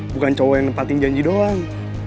bukan cowok yang nempatin janji doang